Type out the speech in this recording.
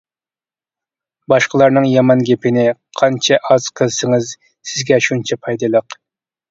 باشقىلارنىڭ يامان گېپىنى قانچە ئاز قىلسىڭىز، سىزگە شۇنچە پايدىلىق.